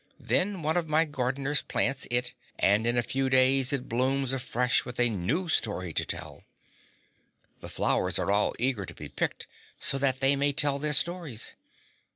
Then one of my gardeners plants it, and in a few days it blooms afresh with a new story to tell. The flowers are all eager to be picked so that they may tell their stories.